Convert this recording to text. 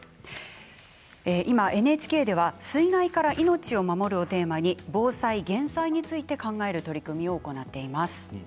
今ＮＨＫでは水害から命を守るをテーマに防災減災について考える取り組みを行っています。